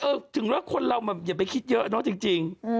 เออถึงว่าคนเราแบบอย่าไปคิดเยอะนะจริง